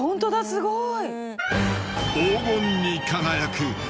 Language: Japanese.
すごい！